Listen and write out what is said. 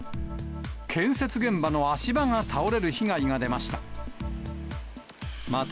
建設現場の足場が倒れる被害が出ました。